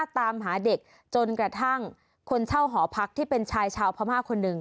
ตามหาเด็กจนกระทั่งคนเช่าหอพักที่เป็นชายชาวพม่าคนหนึ่ง